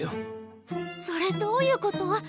それどういうこと？